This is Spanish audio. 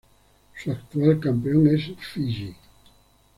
Su actual campeón es Fiyi.